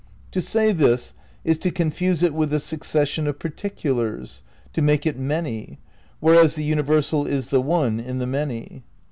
To say this is to confuse it with the succession of particulars, to make it many ; whereas the universal is the one in the many.